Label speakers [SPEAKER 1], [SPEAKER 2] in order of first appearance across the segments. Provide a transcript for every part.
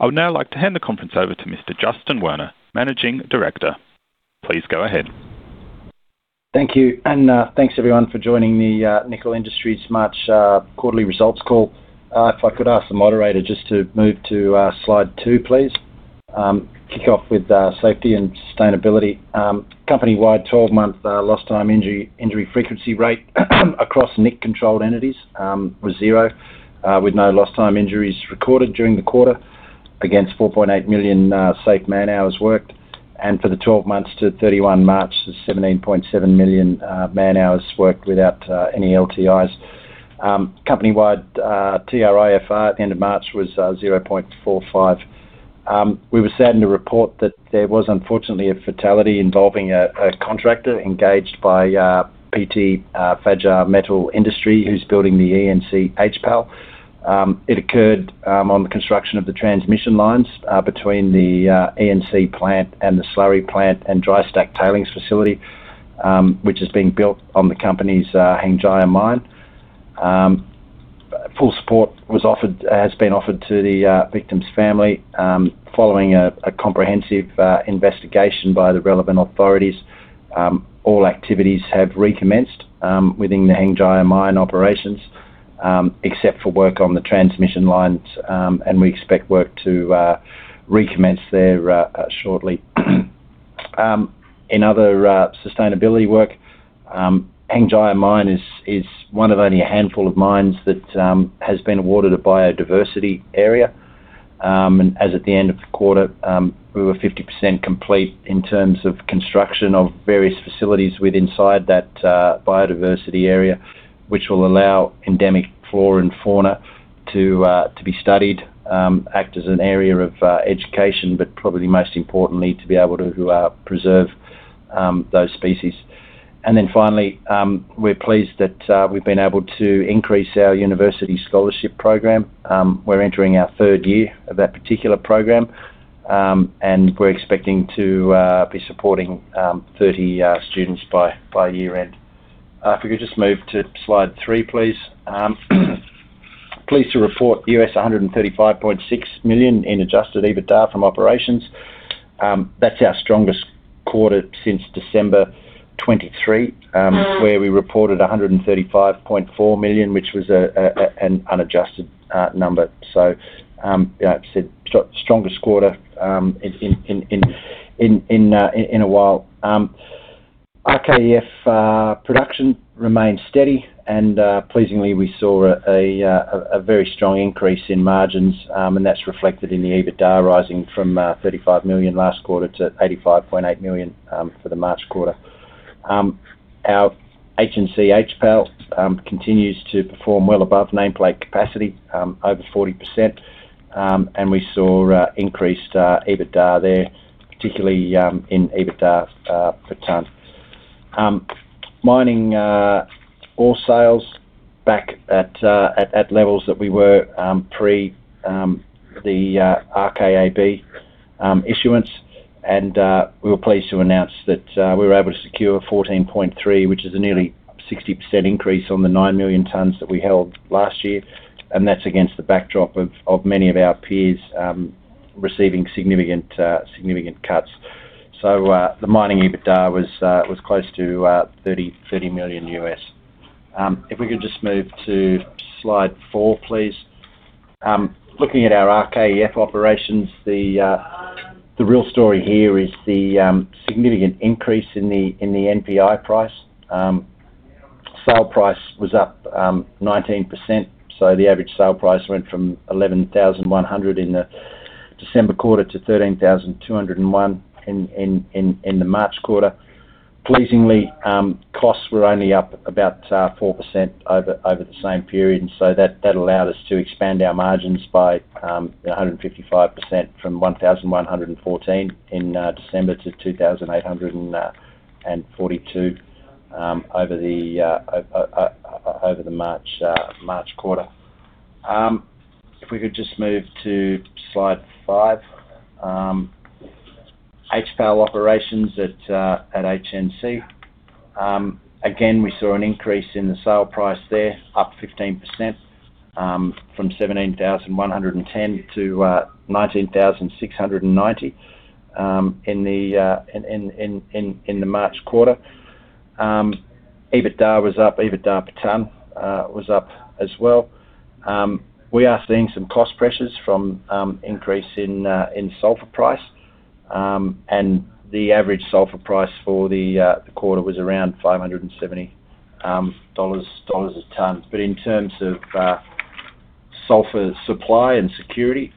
[SPEAKER 1] I would now like to hand the conferENCe over to Mr. Justin Werner, Managing Director. Please go ahead.
[SPEAKER 2] Thank you. Thanks everyone for joining me, Nickel Industries' March quarterly results call. If I could ask the moderator just to move to slide two, please. Kick off with safety and sustainability. Company-wide 12-month lost time injury frequency rate across NIC controlled entities was zero with no lost time injuries recorded during the quarter against 4.8 million safe man-hours worked. For the 12 months to 31 March, the 17.7 million man-hours worked without any LTIs. Company-wide TRIFR at the end of March was 0.45. We were sad in the report that there was unfortunately a fatality involving a contractor engaged by PT Fajar Metal Industry, who's building the ENC HPAL. It occurred on the construction of the transmission lines between the ENC plant and the slurry plant and dry stack tailings facility, which is being built on the company's Hengjaya Mine. Full support has been offered to the victim's family. Following a comprehensive investigation by the relevant authorities, all activities have recommenced within the Hengjaya Mine operations, except for work on the transmission lines, and we expect work to recommence there shortly. In other sustainability work, Hengjaya Mine is one of only a handful of mines that has been awarded a biodiversity area. As at the end of the quarter, we were 50% complete in terms of construction of various facilities with inside that biodiversity area, which will allow endemic flora and fauna to be studied, act as an area of education, but probably most importantly, to be able to preserve those species. Finally, we're pleased that we've been able to increase our university scholarship program. We're entering our third year of that particular program, and we're expecting to be supporting 30 students by year end. If we could just move to slide three, please. Pleased to report $135.6 million in adjusted EBITDA from operations. That's our strongest quarter since December 2023, where we reported $135.4 million, which was an unadjusted number. Yeah, it's the strongest quarter in a while. RKEF production remained steady and pleasingly we saw a very strong increase in margins, that's reflected in the EBITDA rising from $35 million last quarter to $85.8 million for the March quarter. Our HNC HPAL continues to perform well above nameplate capacity, over 40%, and we saw increased EBITDA there, particularly in EBITDA per ton. Mining ore sales back at levels that we were pre the RKAB issuance and we were pleased to announce that we were able to secure 14.3 million tons, which is a nearly 60% increase on the 9 million tons that we held last year. That's against the backdrop of many of our peers receiving significant cuts. The mining EBITDA was close to $30 million. If we could just move to slide four, please. Looking at our RKEF operations, the real story here is the significant increase in the NPI price. Sale price was up 19%, the average sale price went from $11,100 in the December quarter to $13,201 in the March quarter. Pleasingly, costs were only up about 4% over the same period, that allowed us to expand our margins by 155% from $1,114 in December to $2,842 over the March quarter. If we could just move to slide five. HPAL operations at HNC. Again we saw an increase in the sale price there, up 15%, from $17,110 to $19,690 in the March quarter. EBITDA was up, EBITDA per ton was up as well. We are seeing some cost pressures from increase in sulfur price. The average sulfur price for the quarter was around $570/ton. In terms of sulfur supply and security,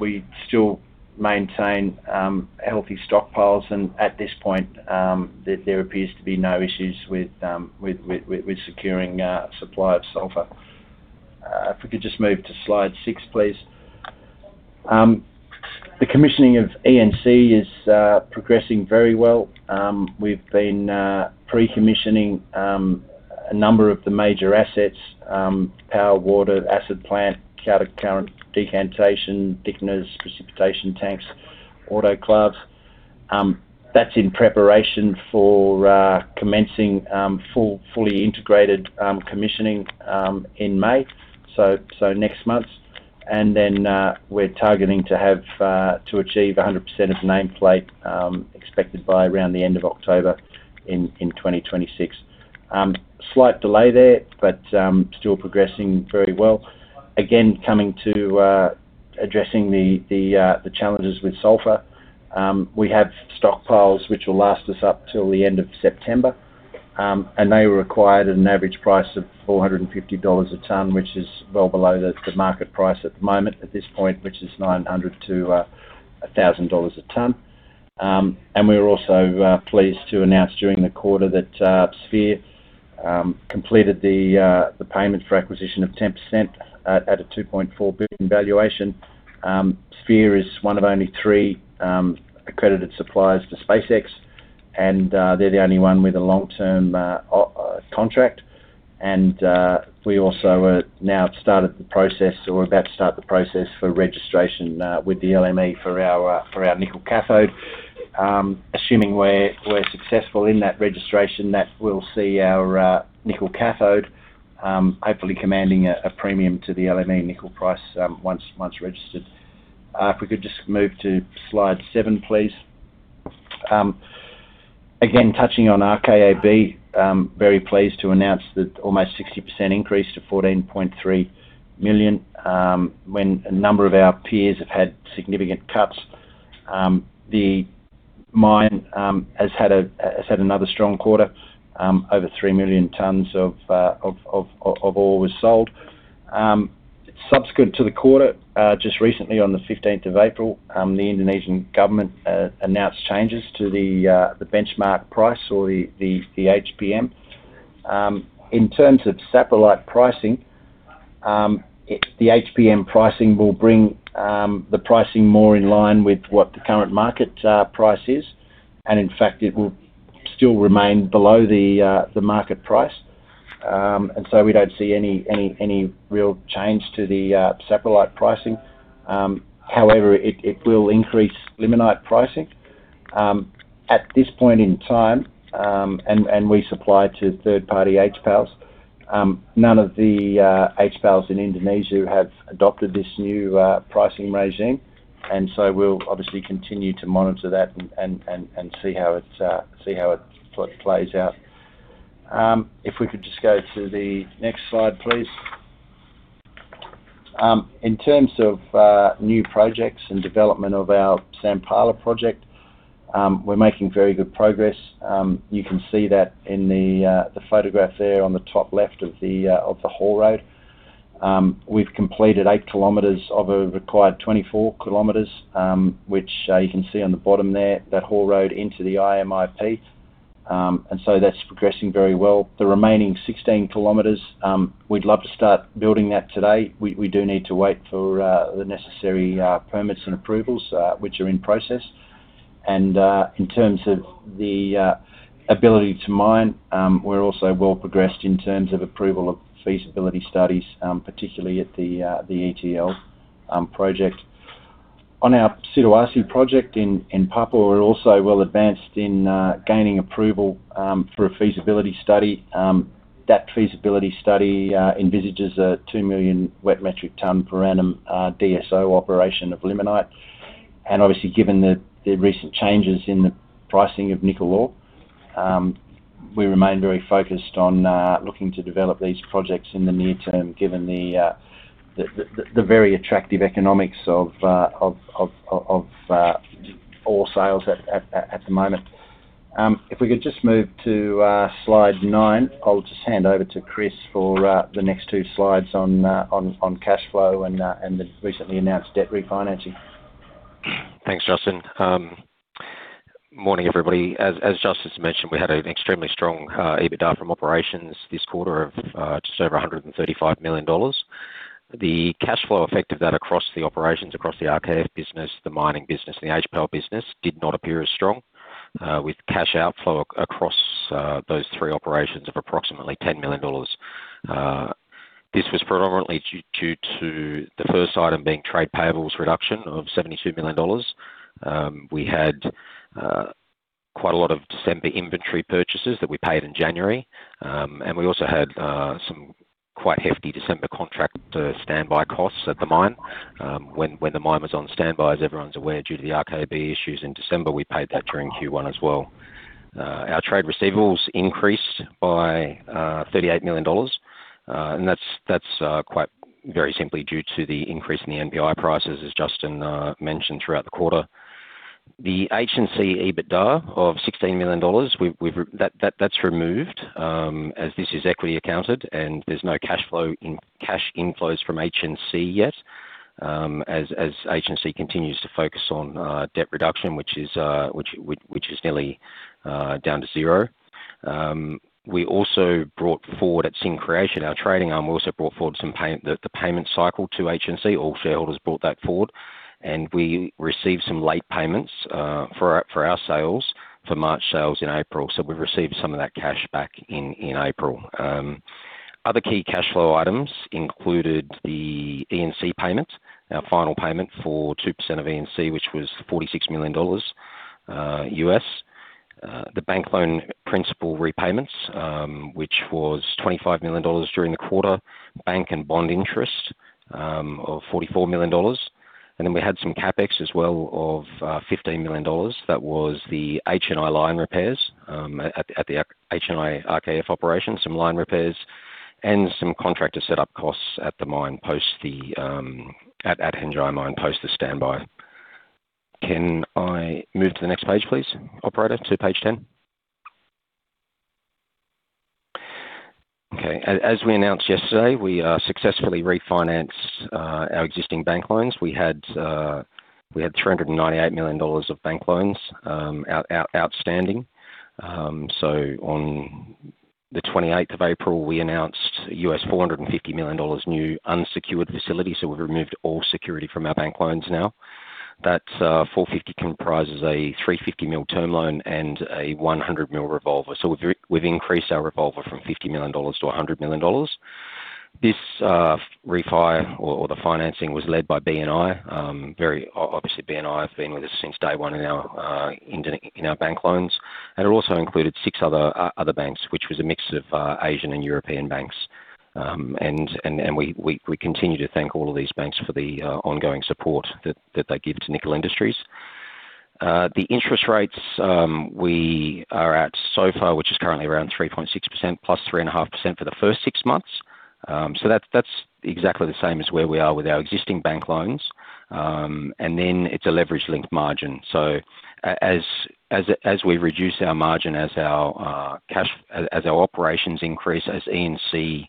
[SPEAKER 2] we still maintain healthy stockpiles and at this point, there appears to be no issues with securing supply of sulfur. If we could just move to slide six, please. The commissioning of ENC is progressing very well. We've been pre-commissioning a number of the major assets, power, water, acid plant, Counter-Current Decantation, thickeners, precipitation tanks, autoclaves. That's in preparation for commencing fully integrated commissioning in May. Next month. We're targeting to have to achieve 100% of nameplate expected by around the end of October in 2026. Slight delay there, but still progressing very well. Coming to addressing the challenges with sulfur. We have stockpiles which will last us up till the end of September. They required an average price of $450 a ton, which is well below the market price at the moment at this point, which is $900-$1,000 a ton. We are also pleased to announce during the quarter that Sphere completed the payment for acquisition of 10% at a $2.4 billion valuation. Sphere is one of only three accredited suppliers to SpaceX, and they are the only one with a long-term contract. We also have now started the process, or about to start the process for registration with the LME for our nickel cathode. Assuming we're successful in that registration, that will see our nickel cathode hopefully commanding a premium to the LME nickel price once registered. If we could just move to slide seven, please. Again, touching on RKAB, very pleased to announce that almost 60% increase to 14.3 million, when a number of our peers have had significant cuts. The mine has had another strong quarter. Over 3 million tons of ore was sold. Subsequent to the quarter, just recently on the 15th of April, the Indonesian government announced changes to the benchmark price or the HPM. In terms of saprolite pricing, the HPM pricing will bring the pricing more in line with what the current market price is. In fact, it will still remain below the market price. We don't see any real change to the saprolite pricing. However, it will increase limonite pricing. At this point in time, and we supply to third-party HPALs. None of the HPALs in Indonesia have adopted this new pricing regime. We'll obviously continue to monitor that and see how it sort of plays out. If we could just go to the next slide, please. In terms of new projects and development of our Sampala project, we're making very good progress. You can see that in the photograph there on the top left of the haul road. We've completed 8 km of a required 24 km, which you can see on the bottom there, that haul road into the IMIP. That's progressing very well. The remaining 16 km, we'd love to start building that today. We do need to wait for the necessary permits and approvals, which are in process. In terms of the ability to mine, we're also well progressed in terms of approval of feasibility studies, particularly at the ETL project. On our Siduarsi project in Papua, we're also well advanced in gaining approval for a feasibility study. That feasibility study envisages a 2 million wet metric ton per annum DSO operation of limonite. Obviously, given the recent changes in the pricing of nickel ore, we remain very focused on looking to develop these projects in the near term, given the very attractive economics of ore sales at the moment. If we could just move to slide 9. I'll just hand over to Chris for the next two slides on cash flow and the recently announced debt refinancing.
[SPEAKER 3] Thanks, Justin. Morning, everybody. As Justin mentioned, we had an extremely strong EBITDA from operations this quarter of just over $135 million. The cash flow effect of that across the operations, across the RKEF business, the mining business, and the HPAL business did not appear as strong with cash outflow across those three operations of approximately $10 million. This was predominantly due to the first item being trade payables reduction of $72 million. We had quite a lot of December inventory purchases that we paid in January. We also had some quite hefty December contract standby costs at the mine when the mine was on standby, as everyone's aware, due to the RKAB issues in December. We paid that during Q1 as well. Our trade receivables increased by $38 million. That's quite very simply due to the increase in the NPI prices, as Justin mentioned throughout the quarter. The HNC EBITDA of $16 million, that's removed as this is equity accounted and there's no cash inflows from HNC yet as HNC continues to focus on debt reduction, which is nearly down to zero. We also brought forward at Xing Creation, our trading arm also brought forward the payment cycle to HNC. All shareholders brought that forward. We received some late payments for our sales, for March sales in April. We received some of that cash back in April. Other key cash flow items included the ENC payment, our final payment for 2% of ENC, which was $46 million. The bank loan principal repayments, which was $25 million during the quarter. Bank and bond interest of $44 million. We had some CapEx as well of $15 million. That was the HNI line repairs at the HNI RKEF operation, some line repairs and some contractor set up costs at the mine post the Hengjaya Mine post the standby. Can I move to the next page, please, operator? To page 10. As we announced yesterday, we successfully refinanced our existing bank loans. We had $398 million of bank loans outstanding. On the 28th of April, we announced a $450 million new unsecured facility, so we've removed all security from our bank loans now. That $450 million comprises a $350 million term loan and a $100 million revolver. We've increased our revolver from $50 million to a $100 million. This refi or the financing was led by BNI. Very obviously, BNI have been with us since day one in our bank loans. It also included six other banks, which was a mix of Asian and European banks. We continue to thank all of these banks for the ongoing support that they give to Nickel Industries. The interest rates we are at so far, which is currently around 3.6% plus 3.5% for the first six months. That's exactly the same as where we are with our existing bank loans. Then it's a leverage linked margin. As we reduce our margin, as our cash, as our operations increase, as ENC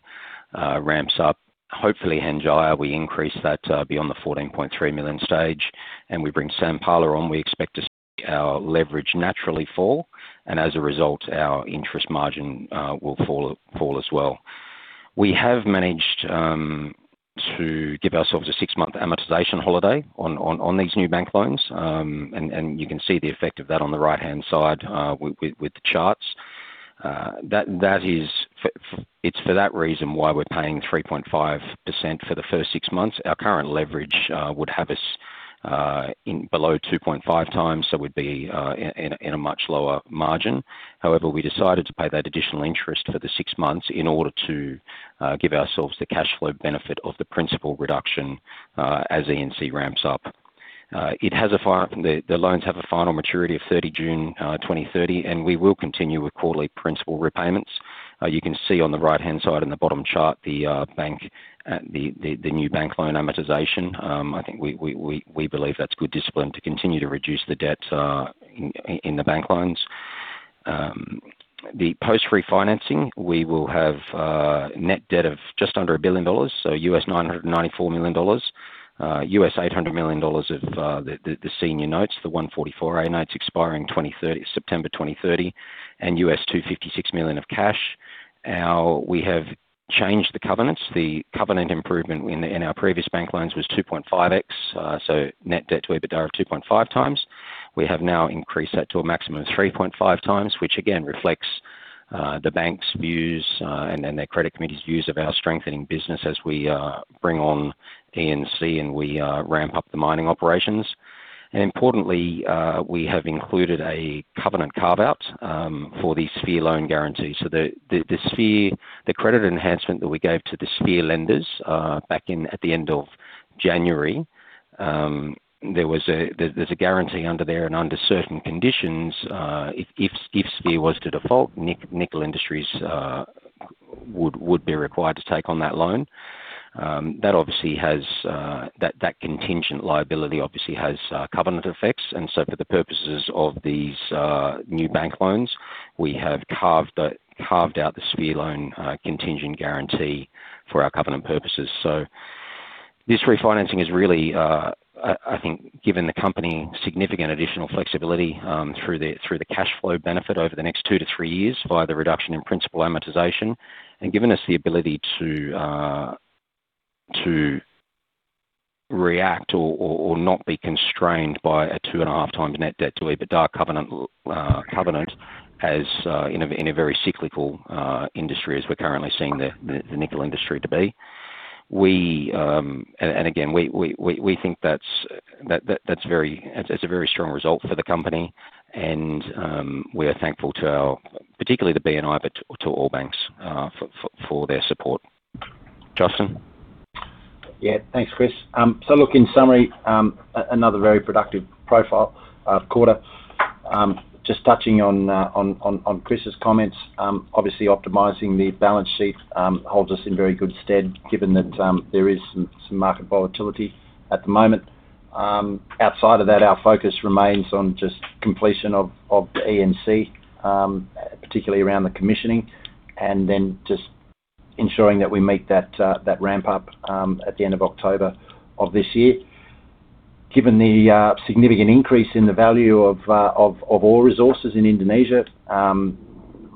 [SPEAKER 3] ramps up, hopefully Hengjaya, we increase that beyond the $14.3 million stage and we bring Sampala on. We expect to see our leverage naturally fall. As a result, our interest margin will fall as well. We have managed to give ourselves a six-month amortization holiday on these new bank loans. And you can see the effect of that on the right-hand side, with the charts. It's for that reason why we're paying 3.5% for the first six months. Our current leverage would have us below 2.5x, so we'd be in a much lower margin. However, we decided to pay that additional interest for the six months in order to give ourselves the cash flow benefit of the principal reduction as ENC ramps up. The loans have a final maturity of 30 June 2030, and we will continue with quarterly principal repayments. You can see on the right-hand side in the bottom chart the new bank loan amortization. I think we believe that's good discipline to continue to reduce the debt in the bank loans. The post-refinancing, we will have net debt of just under a billion dollars, so $994 million. $800 million of the senior notes, the 144A notes expiring September 2030, and $256 million of cash. We have changed the covenants. The covenant improvement in our previous bank loans was 2.5x, so net debt to EBITDA of 2.5x. We have now increased that to a maximum of 3.5x, which again reflects the bank's views and their credit committee's views of our strengthening business as we bring on ENC and we ramp up the mining operations. Importantly, we have included a covenant carve-out for the Sphere loan guarantee. The Sphere, the credit enhancement that we gave to the Sphere lenders back in at the end of January, there's a guarantee under there and under certain conditions, if Sphere was to default, Nickel Industries would be required to take on that loan. That obviously has that contingent liability obviously has covenant effects. For the purposes of these new bank loans, we have carved out the Sphere loan contingent guarantee for our covenant purposes. This refinancing has really, I think given the company significant additional flexibility through the cash flow benefit over the next two to three years via the reduction in principal amortization and given us the ability to react or not be constrained by a 2.5x net debt to EBITDA covenant as in a very cyclical industry as we're currently seeing the nickel industry to be. We and again, we think that's very. It's a very strong result for the company and we are thankful to our, particularly the BNI, but to all banks, for their support. Justin?
[SPEAKER 2] Yeah. Thanks, Chris. Look, in summary, another very productive profile quarter. Just touching on Chris' comments, obviously optimizing the balance sheet holds us in very good stead given that there is some market volatility at the moment. Outside of that, our focus remains on just completion of the ENC, particularly around the commissioning and then just ensuring that we meet that ramp up at the end of October of this year. Given the significant increase in the value of ore resources in Indonesia,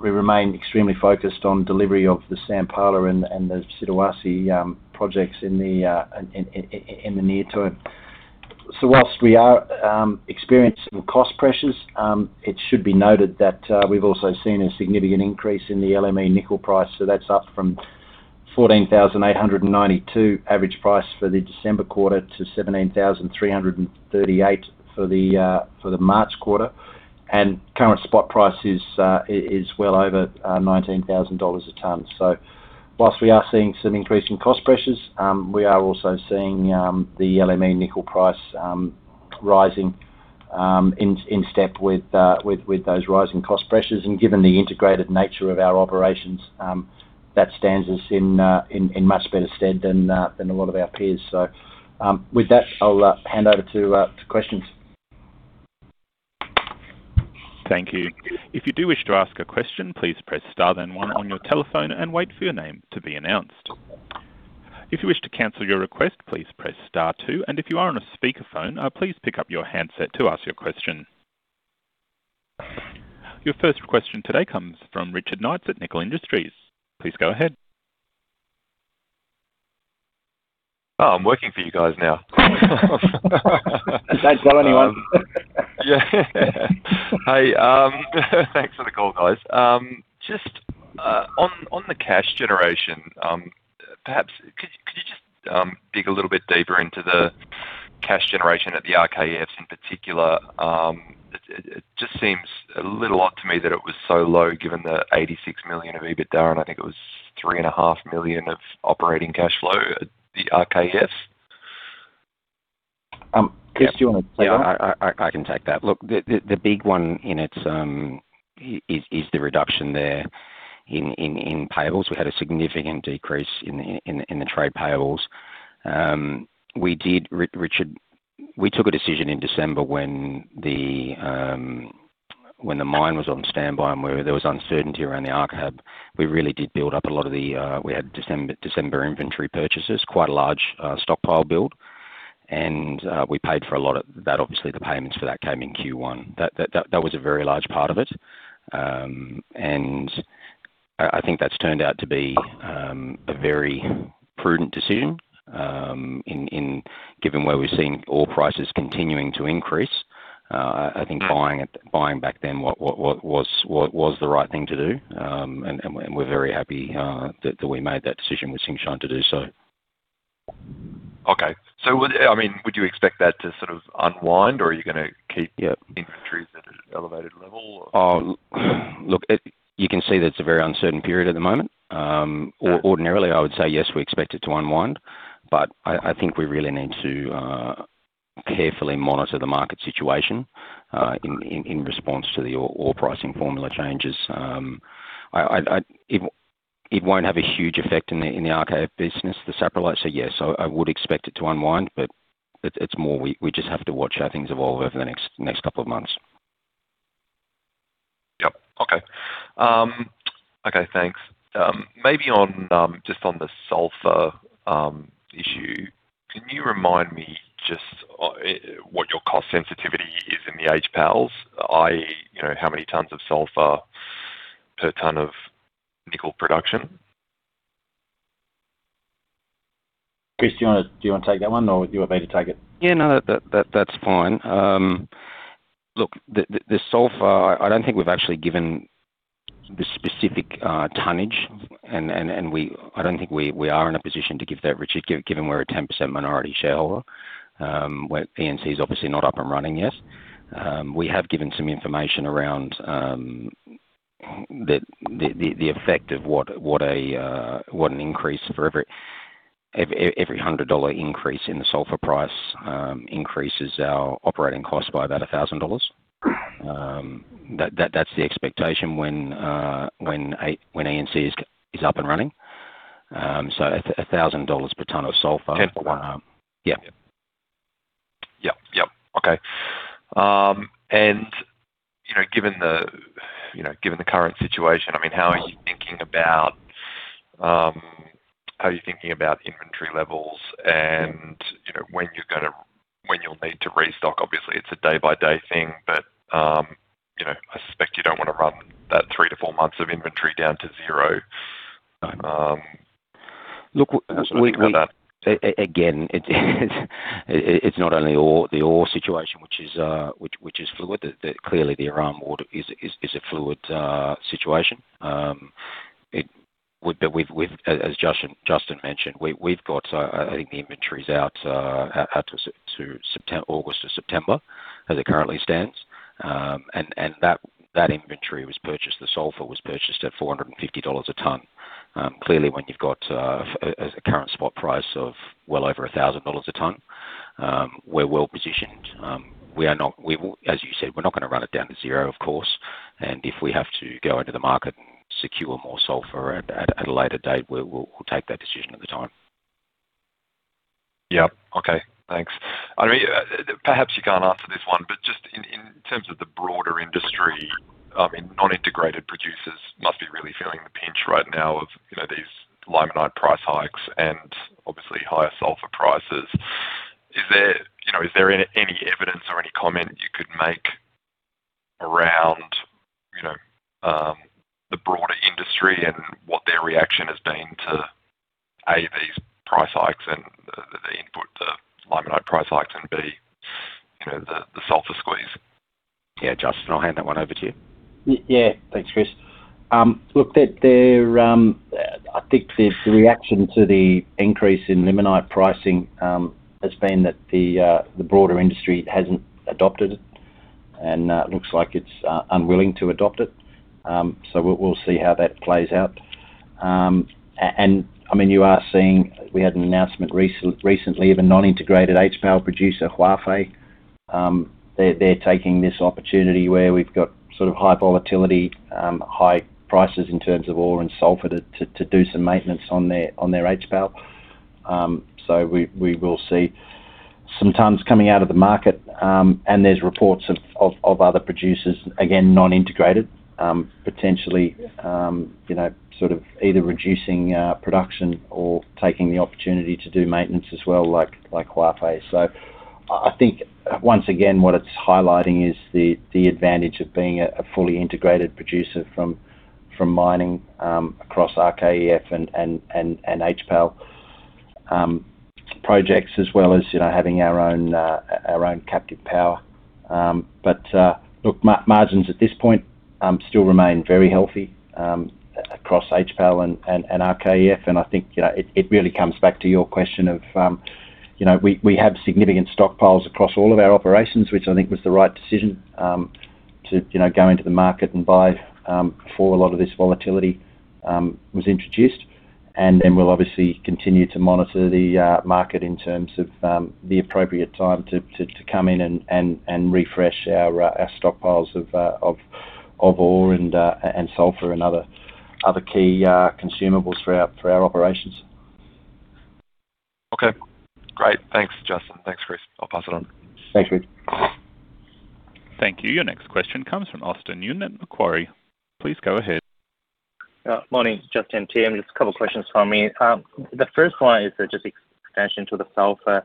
[SPEAKER 2] we remain extremely focused on delivery of the Sampala and the Siduarsi projects in the near term. Whilst we are experiencing some cost pressures, it should be noted that we've also seen a significant increase in the LME nickel price. That's up from $14,892 average price for the December quarter to $17,338 for the March quarter. Current spot price is well over $19,000 a ton. Whilst we are seeing some increase in cost pressures, we are also seeing the LME nickel price rising in step with those rising cost pressures. Given the integrated nature of our operations, that stands us in much better stead than a lot of our peers. With that, I'll hand over to questions.
[SPEAKER 1] Thank you. If you do wish to ask a question, please press star then one on your telephone and wait for your name to be announced. If you wish to cancel your request, please press star two. If you are on a speakerphone, please pick up your handset to ask your question. Your first question today comes from Richard Knights at Barrenjoey. Please go ahead.
[SPEAKER 4] Oh, I'm working for you guys now.
[SPEAKER 2] Don't tell anyone.
[SPEAKER 4] Yeah. Hey, thanks for the call, guys. Just on the cash generation, perhaps could you just dig a little bit deeper into the cash generation at the RKEFs in particular? It just seems a little odd to me that it was so low given the $86 million of EBITDA, and I think it was three and a half million of operating cash flow at the RKEFs.
[SPEAKER 2] Chris, do you wanna take that?
[SPEAKER 3] Yeah. I can take that. The big one in it is the reduction there in payables. We had a significant decrease in the trade payables. We did, Richard, we took a decision in December when the mine was on standby and where there was uncertainty around the RKAB. We really did build up a lot of the, we had December inventory purchases, quite a large stockpile build. We paid for a lot of that. Obviously, the payments for that came in Q1. That was a very large part of it. I think that's turned out to be a very prudent decision given where we've seen ore prices continuing to increase. I think buying it, buying back then was the right thing to do. And we're very happy that we made that decision with Tsingshan to do so.
[SPEAKER 4] Okay. I mean, would you expect that to sort of unwind, or are you gonna keep-
[SPEAKER 3] Yeah
[SPEAKER 4] ...inventories at an elevated level?
[SPEAKER 3] Oh, look, you can see that it's a very uncertain period at the moment. Ordinarily, I would say yes, we expect it to unwind. I think we really need to carefully monitor the market situation in response to the ore pricing formula changes. I It won't have a huge effect in the RKEF business, the saprolite. Yes, I would expect it to unwind, but it's more we just have to watch how things evolve over the next couple of months.
[SPEAKER 4] Yep. Okay. Okay. Thanks. Maybe on, just on the sulfur issue, can you remind me just, what your cost sensitivity is in the HPALs, i.e., you know, how many tons of sulfur per ton of nickel production?
[SPEAKER 2] Chris, do you wanna take that one, or you want me to take it?
[SPEAKER 3] No, that's fine. The sulfur, I don't think we've actually given the specific tonnage and I don't think we are in a position to give that, Richard, given we're a 10% minority shareholder, where ENC is obviously not up and running yet. We have given some information around the effect of what an increase for every $100 increase in the sulfur price increases our operating cost by about $1,000. That's the expectation when ENC is up and running. So a $1,000 per ton of sulfur.
[SPEAKER 4] 10 for one.
[SPEAKER 3] Yeah.
[SPEAKER 4] Yep. Yep. Okay. You know, given the, you know, given the current situation, I mean, how are you thinking about inventory levels and, you know, when you'll need to restock? Obviously, it's a day by day thing, you know, I suspect you don't wanna run that three to four months of inventory down to zero.
[SPEAKER 3] Look, we
[SPEAKER 4] What do you think about that?
[SPEAKER 3] Again, it's not only ore, the ore situation which is fluid. The ore market is a fluid situation. But with, as Justin mentioned, we've got, I think the inventory's out to August to September as it currently stands. And that inventory was purchased, the sulfur was purchased at $450 a ton. Clearly, when you've got a current spot price of well over $1,000 a ton, we're well positioned. As you said, we're not gonna run it down to zero, of course. If we have to go into the market and secure more sulfur at a later date, we'll take that decision at the time.
[SPEAKER 4] Yeah. Okay. Thanks. I mean perhaps you can't answer this one, but just in terms of the broader industry, I mean, non-integrated producers must be really feeling the pinch right now of, you know, these limonite price hikes and obviously higher sulfur prices. Is there, you know, any evidence or any comment you could make around the broader industry and what their reaction has been to, A, these price hikes and the input, the limonite price hikes, and B, you know, the sulfur squeeze?
[SPEAKER 3] Yeah, Justin, I'll hand that one over to you.
[SPEAKER 2] Yeah. Thanks, Chris. Look, they're, I think the reaction to the increase in limonite pricing has been that the broader industry hasn't adopted it and looks like it's unwilling to adopt it. We'll see how that plays out. I mean, you are seeing. We had an announcement recently of a non-integrated HPAL producer, Huayue. They're taking this opportunity where we've got sort of high volatility, high prices in terms of ore and sulfur to do some maintenance on their HPAL. We will see some tons coming out of the market, and there's reports of other producers, again, non-integrated, potentially, you know, sort of either reducing production or taking the opportunity to do maintenance as well like Huayue. I think once again, what it's highlighting is the advantage of being a fully integrated producer from mining across RKEF and HPAL projects as well as, you know, having our own captive power. But look, margins at this point still remain very healthy across HPAL and RKEF. I think, you know, it really comes back to your question of, you know, we have significant stockpiles across all of our operations, which I think was the right decision, to, you know, go into the market and buy, before a lot of this volatility, was introduced. We'll obviously continue to monitor the market in terms of the appropriate time to come in and refresh our stockpiles of ore and sulfur and other key consumables for our operations.
[SPEAKER 4] Okay. Great. Thanks, Justin. Thanks, Chris. I'll pass it on.
[SPEAKER 2] Thank you.
[SPEAKER 1] Thank you. Your next question comes from Austin Yun at Macquarie. Please go ahead.
[SPEAKER 5] Morning Justin, team. Just two questions from me. The first one is just extension to the sulfur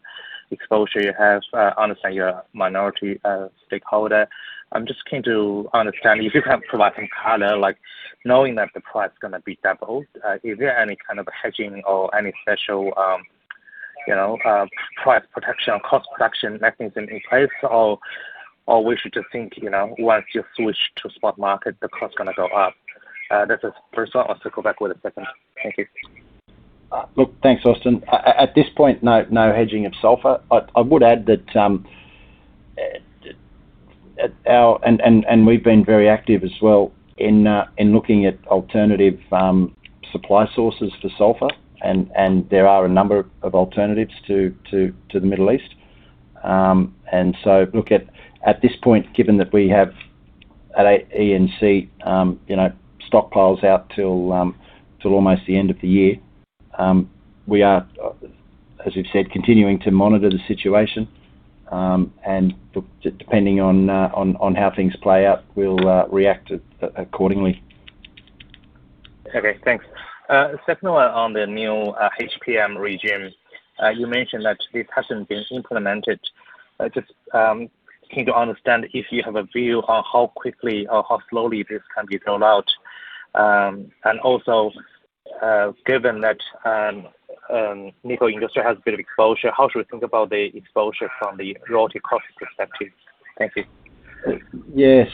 [SPEAKER 5] exposure you have. Understand you're a minority stakeholder. I'm just keen to understand if you can provide some color, like knowing that the price is gonna be doubled, is there any kind of a hedging or any special, you know, price protection or cost protection mechanism in place? We should just think, you know, once you switch to spot market, the cost gonna go up? That's the first one. I'll circle back with a second. Thank you.
[SPEAKER 2] Look, thanks, Austin. At this point, no hedging of sulfur. I would add that we've been very active as well in looking at alternative supply sources for sulfur and there are a number of alternatives to the Middle East. Look, at this point, given that we have at ENC, you know, stockpiles out till almost the end of the year, we are, as we've said, continuing to monitor the situation. Look, depending on how things play out, we'll react accordingly.
[SPEAKER 5] Okay. Thanks. Second one on the new HPM regime. You mentioned that this hasn't been implemented. I just keen to understand if you have a view on how quickly or how slowly this can be rolled out. Also, given that, Nickel Industries has a bit of exposure, how should we think about the exposure from the royalty cost perspective? Thank you.
[SPEAKER 2] The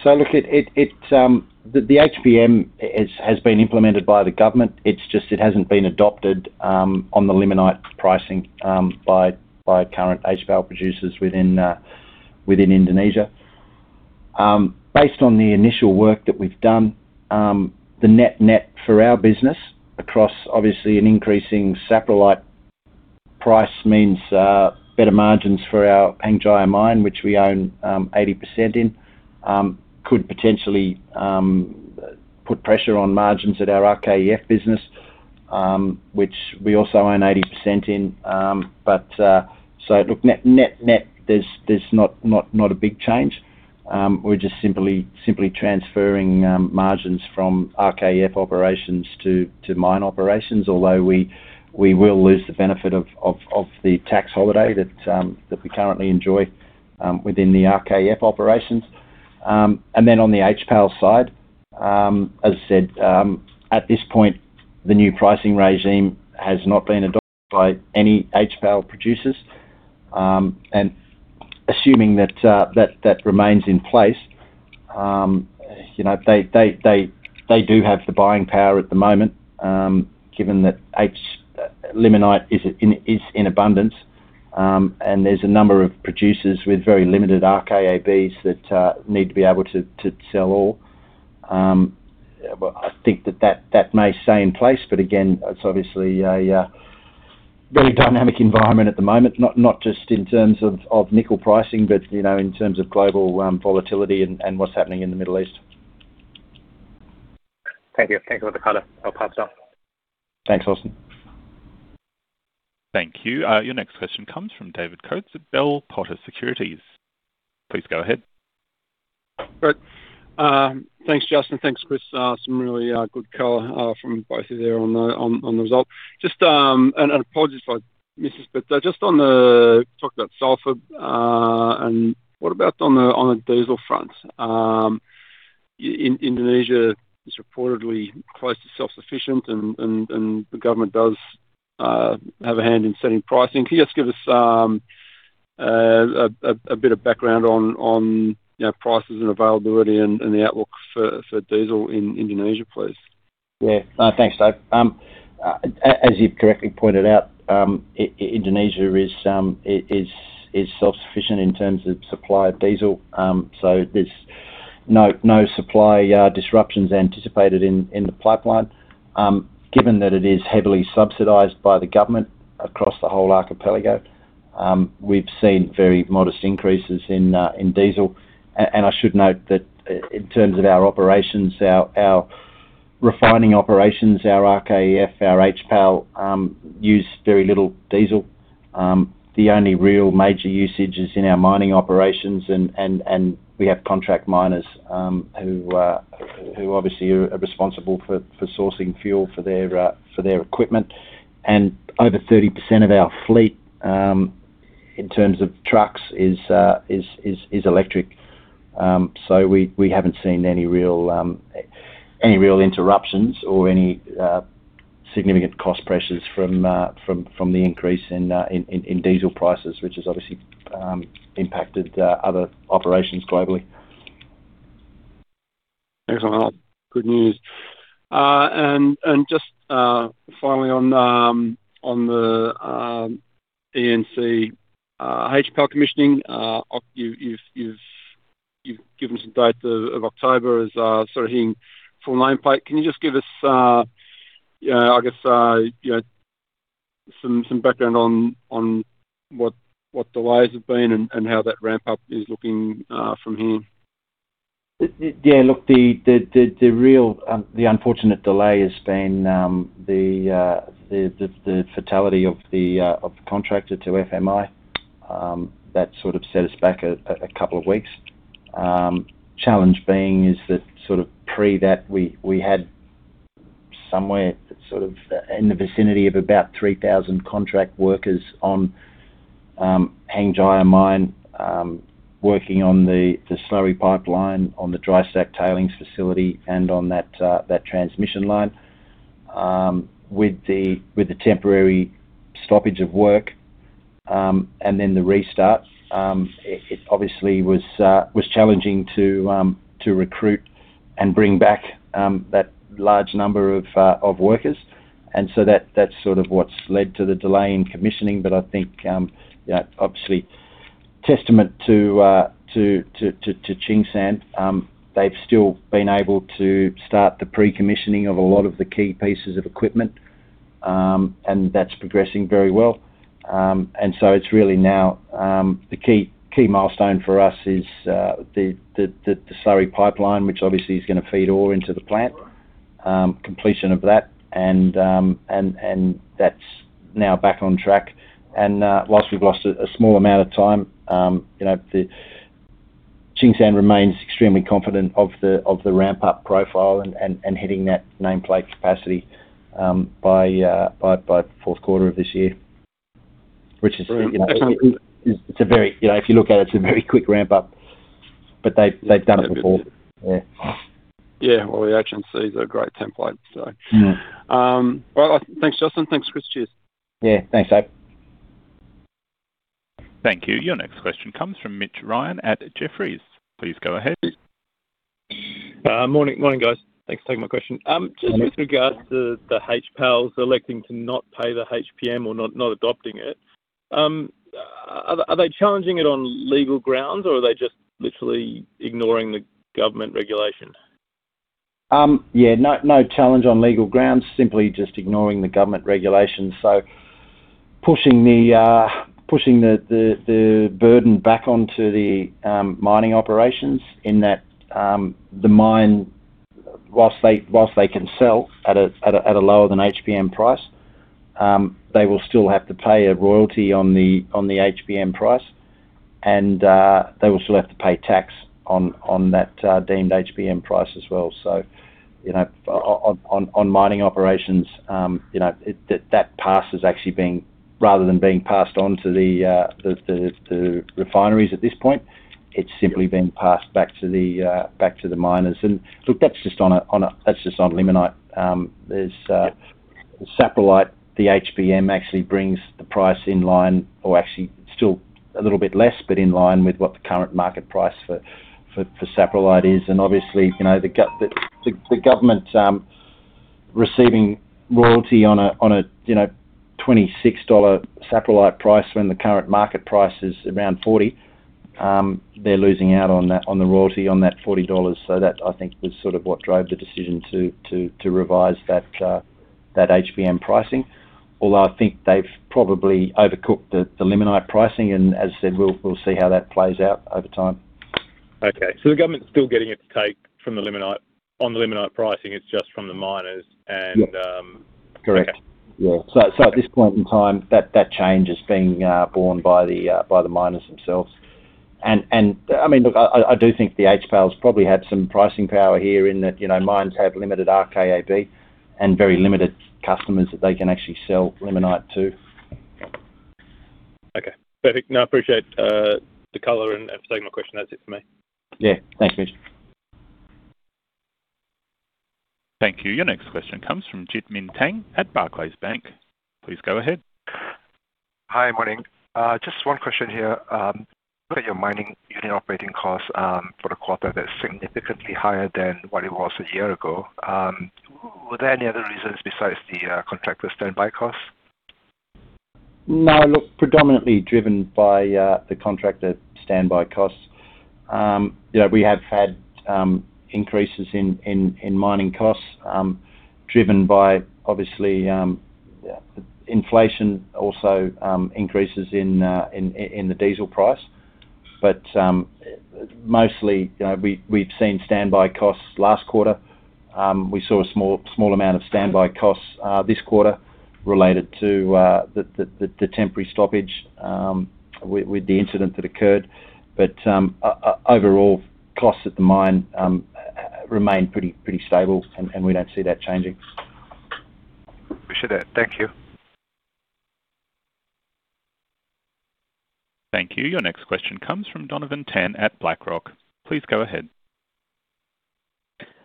[SPEAKER 2] HPM has been implemented by the government. It's just it hasn't been adopted on the limonite pricing by current HPAL producers within Indonesia. Based on the initial work that we've done, the net for our business across obviously an increasing saprolite price means better margins for our Hengjaya Mine, which we own 80% in, could potentially put pressure on margins at our RKEF business, which we also own 80% in. Net, there's not a big change. We're just simply transferring margins from RKEF operations to mine operations, although we will lose the benefit of the tax holiday that we currently enjoy within the RKEF operations. Then on the HPAL side, as I said, at this point, the new pricing regime has not been adopted by any HPAL producers. Assuming that remains in place, you know, they do have the buying power at the moment, given that limonite is in abundance. There's a number of producers with very limited RKABs that need to be able to sell ore. I think that may stay in place. Again, it's obviously a very dynamic environment at the moment, not just in terms of nickel pricing, but, you know, in terms of global volatility and what's happening in the Middle East.
[SPEAKER 5] Thank you. Thank you for the color. I'll pass it on.
[SPEAKER 2] Thanks, Austin.
[SPEAKER 1] Thank you. Your next question comes from David Coates at Bell Potter Securities. Please go ahead.
[SPEAKER 6] Great. Thanks, Justin. Thanks, Chris. Some really good color from both of you there on the result. Just, apologies if I missed this, but, talked about sulfur, and what about on the diesel front? In Indonesia is reportedly close to self-sufficient and the government does have a hand in setting pricing. Can you just give us a bit of background on, you know, prices and availability and the outlook for diesel in Indonesia, please?
[SPEAKER 2] Thanks, Dave. As you've correctly pointed out, Indonesia is self-sufficient in terms of supply of diesel. There's no supply disruptions anticipated in the pipeline. Given that it is heavily subsidized by the government across the whole archipelago, we've seen very modest increases in diesel. I should note that in terms of our operations, our refining operations, our RKEF, our HPAL use very little diesel. The only real major usage is in our mining operations and we have contract miners who obviously are responsible for sourcing fuel for their equipment. Over 30% of our fleet, in terms of trucks is electric. We haven't seen any real interruptions or any significant cost pressures from the increase in diesel prices, which has obviously impacted other operations globally.
[SPEAKER 6] Excellent. Good news. Just finally on the ENC HPAL commissioning, you've given some dates of October as sort of hitting full nameplate. Can you just give us, you know, I guess, you know, some background on what delays have been and how that ramp up is looking from here?
[SPEAKER 2] The real unfortunate delay has been the fatality of the contractor to FMI. That sort of set us back a couple of weeks. Challenge being is that sort of prior to that we had somewhere sort of in the vicinity of about 3,000 contract workers on Hengjaya Mine, working on the slurry pipeline, on the dry stack tailings facility, and on that transmission line. With the temporary stoppage of work and then the restart, it obviously was challenging to recruit and bring back that large number of workers. That's sort of what's led to the delay in commissioning. I think, you know, obviously testament to Tsingshan, they've still been able to start the pre-commissioning of a lot of the key pieces of equipment, and that's progressing very well. It's really now the key milestone for us is the slurry pipeline, which obviously is gonna feed ore into the plant, completion of that, and that's now back on track. Whilst we've lost a small amount of time, you know, Tsingshan remains extremely confident of the ramp up profile and hitting that nameplate capacity by fourth quarter of this year, which is, you know.
[SPEAKER 6] Brilliant. Excellent.
[SPEAKER 2] it's a very, you know, if you look at it's a very quick ramp up, but they've done it before.
[SPEAKER 6] Yeah. Well, the agency is a great template.
[SPEAKER 2] Yeah.
[SPEAKER 6] Well, thanks, Justin. Thanks, Chris. Cheers.
[SPEAKER 2] Yeah. Thanks, Dave.
[SPEAKER 1] Thank you. Your next question comes from Mitch Ryan at Jefferies. Please go ahead.
[SPEAKER 7] Morning, morning, guys. Thanks for taking my question. Just with regards to the HPALs electing to not pay the HPM or not adopting it, are they challenging it on legal grounds, or are they just literally ignoring the government regulation?
[SPEAKER 2] Yeah. No, no challenge on legal grounds, simply just ignoring the government regulations. Pushing the burden back onto the mining operations in that the mine, whilst they can sell at a lower than HPM price, they will still have to pay a royalty on the HPM price. They will still have to pay tax on that deemed HPM price as well. You know, on mining operations, you know, that pass is actually being, rather than being passed on to the refineries at this point, it's simply being passed back to the miners. Look, that's just on limonite. There's saprolite, the HPM actually brings the price in line, or actually still a little bit less, but in line with what the current market price for saprolite is. Obviously, you know, the government receiving royalty on a, you know, $26 saprolite price when the current market price is around $40, they're losing out on that, on the royalty on that $40. That I think is sort of what drove the decision to revise that HPM pricing. I think they've probably overcooked the limonite pricing, and as I said, we'll see how that plays out over time.
[SPEAKER 7] Okay. The government's still getting its take from the limonite, on the limonite pricing. It's just from the miners.
[SPEAKER 2] Correct.
[SPEAKER 7] Okay.
[SPEAKER 2] Yeah. At this point in time, that change is being borne by the miners themselves. I mean, look, I do think the HPALs probably have some pricing power here in that, you know, mines have limited RKAB and very limited customers that they can actually sell limonite to.
[SPEAKER 7] Perfect. No, I appreciate the color and for taking my question. That's it for me.
[SPEAKER 2] Yeah. Thanks, Mitch.
[SPEAKER 1] Thank you. Your next question comes from Jit Ming Tan at Barclays Bank. Please go ahead.
[SPEAKER 8] Hi. Morning. Just one question here. Looking at your mining unit operating costs for the quarter, that's significantly higher than what it was a year ago. Were there any other reasons besides the contractor standby costs?
[SPEAKER 2] No. Look, predominantly driven by the contractor standby costs. You know, we have had increases in mining costs, driven by obviously, inflation also, increases in the diesel price. Mostly, you know, we've seen standby costs last quarter. We saw a small amount of standby costs this quarter related to the temporary stoppage with the incident that occurred. Overall, costs at the mine remain pretty stable and we don't see that changing.
[SPEAKER 8] Appreciate that. Thank you.
[SPEAKER 1] Thank you. Your next question comes from Donavan Tan at BlackRock. Please go ahead.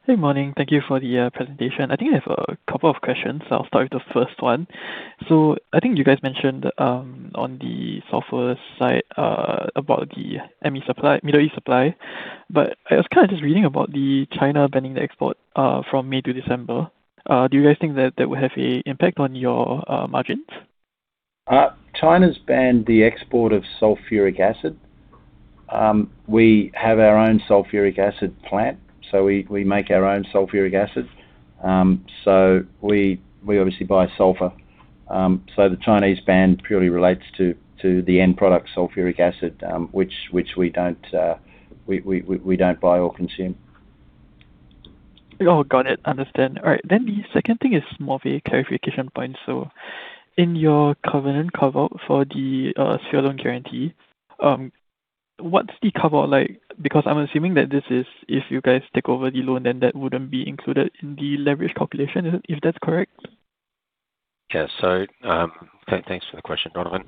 [SPEAKER 9] Hey. Morning. Thank you for the presentation. I think I have a couple of questions. I'll start with the first one. I think you guys mentioned on the sulfur side about the ME supply, Middle East supply. I was kind of just reading about the China banning the export from May to December. Do you guys think that that will have a impact on your margins?
[SPEAKER 2] China's banned the export of sulfuric acid. We have our own sulfuric acid plant, so we make our own sulfuric acid. We obviously buy sulfur. The Chinese ban purely relates to the end product, sulfuric acid, which we don't, we don't buy or consume.
[SPEAKER 9] Got it. Understand. All right. The second thing is more of a clarification point. In your covenant cover for the Sphere loan guarantee, what's the cover like? Because I'm assuming that this is if you guys take over the loan, then that wouldn't be included in the leverage calculation, is it? If that's correct.
[SPEAKER 3] Yeah. Thanks for the question, Donavan.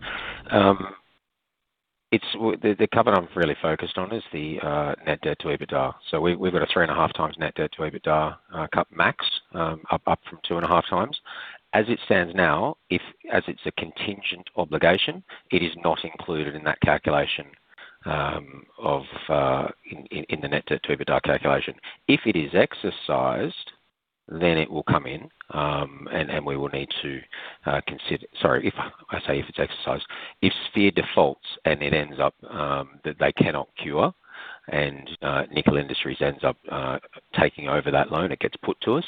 [SPEAKER 3] It's the covenant I'm really focused on is the net debt to EBITDA. We've got a 3.5x net debt to EBITDA cut max, up from 2.5x. As it stands now, as it's a contingent obligation, it is not included in that calculation of in the net debt to EBITDA calculation. If it is exercised, it will come in, and we will need to. If Sphere defaults and it ends up that they cannot cure and Nickel Industries ends up taking over that loan, it gets put to us,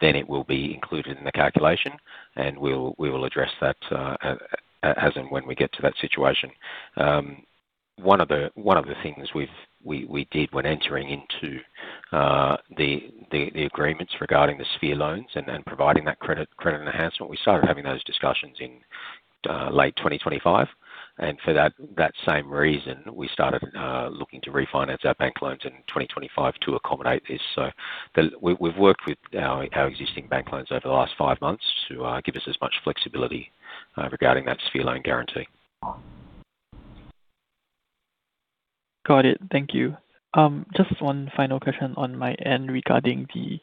[SPEAKER 3] then it will be included in the calculation, and we will address that as and when we get to that situation. One of the things we did when entering into the agreements regarding the Sphere loans and providing that credit enhancement, we started having those discussions in late 2025. For that same reason, we started looking to refinance our bank loans in 2025 to accommodate this. We've worked with our existing bank loans over the last five months to give us as much flexibility regarding that Sphere loan guarantee.
[SPEAKER 9] Got it. Thank you. Just one final question on my end regarding the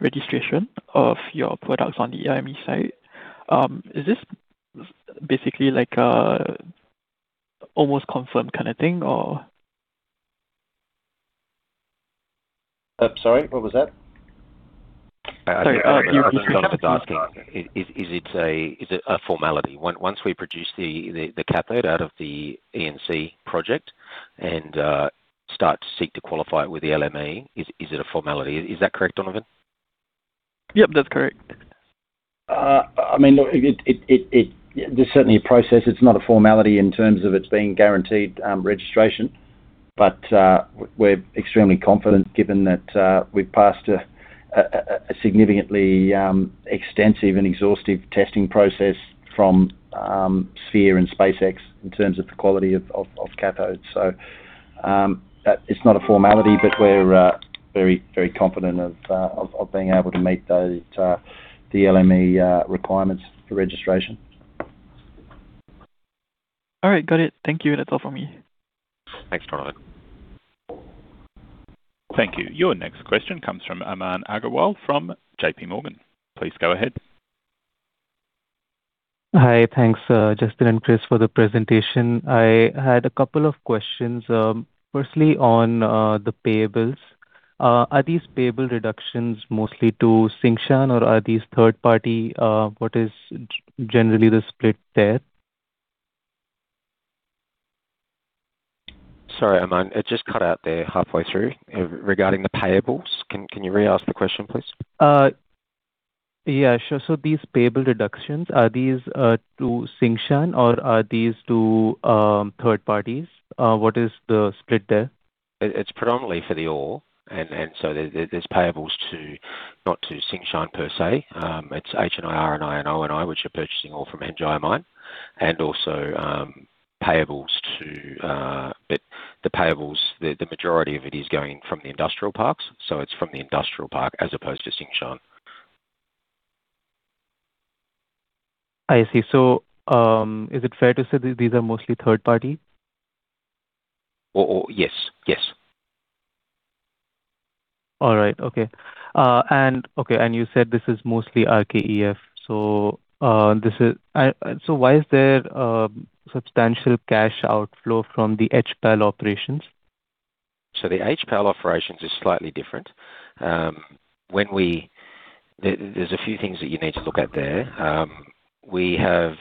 [SPEAKER 9] registration of your products on the LME site. Is this basically like a almost confirmed kind of thing or?
[SPEAKER 2] Sorry, what was that?
[SPEAKER 3] I think Donavan's asking is it a formality? Once we produce the cathode out of the ENC project and start to seek to qualify it with the LME, is it a formality? Is that correct, Donavan?
[SPEAKER 9] Yep, that's correct.
[SPEAKER 2] I mean, look, there's certainly a process. It's not a formality in terms of its being guaranteed registration. We're extremely confident given that we've passed a significantly extensive and exhaustive testing process from Sphere and SpaceX in terms of the quality of cathodes. That is not a formality, but we're very confident of being able to meet those the LME requirements for registration.
[SPEAKER 9] All right. Got it. Thank you. That is all for me.
[SPEAKER 2] Thanks, Donavan.
[SPEAKER 1] Thank you. Your next question comes from Aman Agarwal from JPMorgan. Please go ahead.
[SPEAKER 10] Hi. Thanks, Justin and Chris for the presentation. I had a couple of questions, firstly on the payables. Are these payable reductions mostly to Tsingshan or are these third party? What is generally the split there?
[SPEAKER 3] Sorry, Aman. It just cut out there halfway through regarding the payables. Can you re-ask the question, please?
[SPEAKER 10] Yeah, sure. These payable reductions, are these to Tsingshan or are these to third parties? What is the split there?
[SPEAKER 3] It, it's predominantly for the ore. There's payables to, not to Tsingshan per se. It's HNI, RNI, and ONI which are purchasing ore from Hengjaya Mine. Also, payables to... The payables, the majority of it is going from the industrial parks. It's from the industrial park as opposed to Tsingshan.
[SPEAKER 10] I see. Is it fair to say that these are mostly third party?
[SPEAKER 3] Oh, yes. Yes.
[SPEAKER 10] All right. Okay, and you said this is mostly RKEF. Why is there substantial cash outflow from the HPAL operations?
[SPEAKER 3] The HPAL operations is slightly different. There's a few things that you need to look at there. We have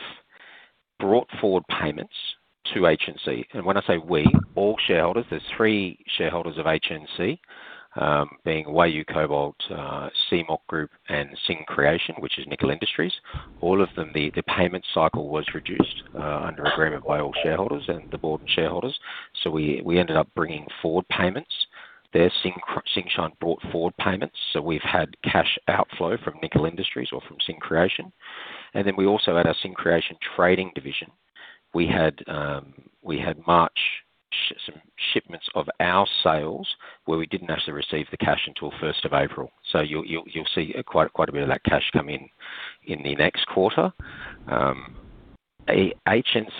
[SPEAKER 3] brought forward payments to HNC. When I say we, all shareholders. There's three shareholders of HNC, being Wanlu Cobalt, CMOC Group and Xing Creation, which is Nickel Industries. All of them, the payment cycle was reduced under agreement by all shareholders and the board and shareholders. We ended up bringing forward payments. Tsingshan brought forward payments. We've had cash outflow from Nickel Industries or from Xing Creation. We also had our Xing Creation trading division. We had March some shipments of our sales where we didn't actually receive the cash until first of April. You'll see quite a bit of that cash come in in the next quarter. HNC,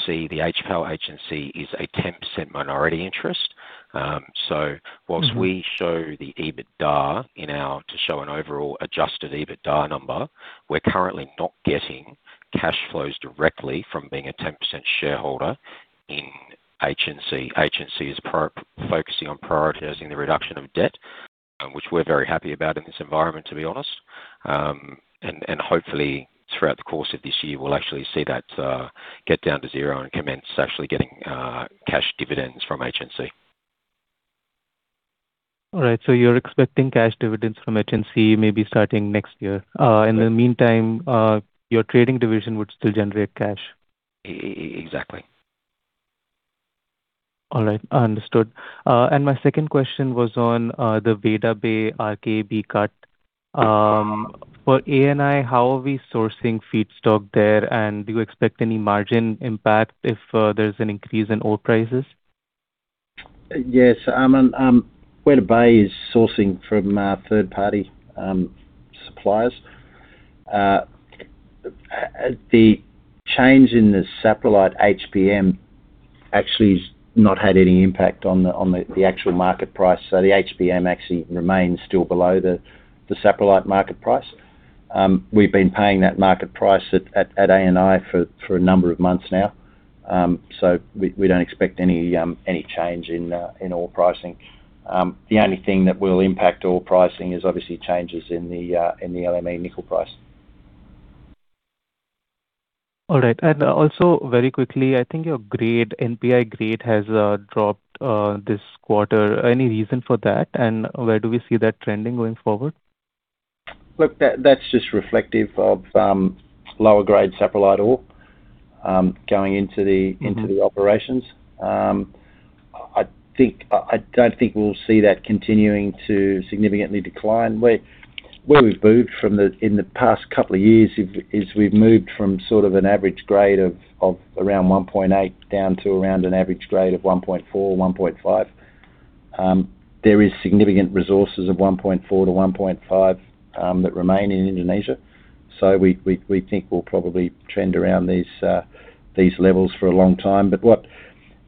[SPEAKER 3] the HPAL HNC is a 10% minority interest.
[SPEAKER 10] Mm-hmm
[SPEAKER 3] we show the EBITDA to show an overall adjusted EBITDA number, we're currently not getting cash flows directly from being a 10% shareholder in HNC. HNC is focusing on prioritizing the reduction of debt, which we're very happy about in this environment, to be honest. Hopefully throughout the course of this year, we'll actually see that get down to zero and commence actually getting cash dividends from HNC.
[SPEAKER 10] All right, you're expecting cash dividends from HNC maybe starting next year.
[SPEAKER 3] Right
[SPEAKER 10] In the meantime, your trading division would still generate cash.
[SPEAKER 3] Exactly.
[SPEAKER 10] All right. Understood. My second question was on the Weda Bay RKAB cut. For ANI, how are we sourcing feedstock there, and do you expect any margin impact if there's an increase in ore prices?
[SPEAKER 2] Yes. Weda Bay is sourcing from third party suppliers. The change in the saprolite HPM actually has not had any impact on the actual market price. The HPM actually remains still below the saprolite market price. We've been paying that market price at ANI for a number of months now. We don't expect any change in ore pricing. The only thing that will impact ore pricing is obviously changes in the LME nickel price.
[SPEAKER 10] All right. Also very quickly, I think your grade, NPI grade has dropped this quarter. Any reason for that? Where do we see that trending going forward?
[SPEAKER 2] Look, that's just reflective of, lower grade saprolite ore, going-
[SPEAKER 10] Mm-hmm
[SPEAKER 2] ...into the operations. I think I don't think we'll see that continuing to significantly decline. Where we've moved from the, in the past couple of years is we've moved from sort of an average grade of around 1.8% down to around an average grade of 1.4%, 1.5%. There is significant resources of 1.4%-1.5% that remain in Indonesia. We think we'll probably trend around these levels for a long time.